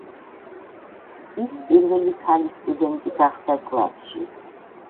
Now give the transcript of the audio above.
ის პირველი ქალი სტუდენტი გახდა კლასში.